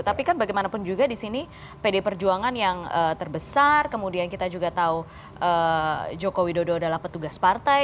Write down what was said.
tapi kan bagaimanapun juga di sini pd perjuangan yang terbesar kemudian kita juga tahu joko widodo adalah petugas partai